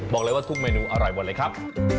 บอกเลยว่าทุกเมนูอร่อยหมดเลยครับ